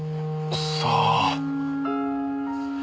さあ。